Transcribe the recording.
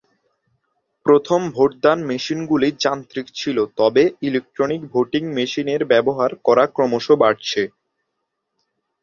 প্রথম ভোটদান মেশিনগুলি যান্ত্রিক ছিল তবে ইলেক্ট্রনিক ভোটিং মেশিনের ব্যবহার করা ক্রমশ বাড়ছে।